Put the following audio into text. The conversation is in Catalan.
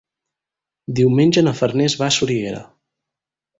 Diumenge na Farners va a Soriguera.